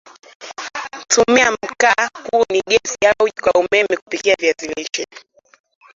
tumia Mkaa kuni gasi au jiko la umeme kupikia viazi lishe